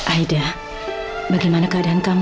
aida bagaimana keadaan kamu